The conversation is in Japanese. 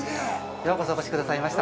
ようこそお越しくださいました。